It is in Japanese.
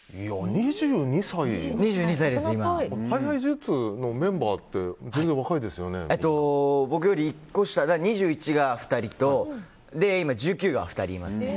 ２２歳なんですね。ＨｉＨｉＪｅｔｓのメンバーって僕より１個下の２１が２人と、１９が２人います。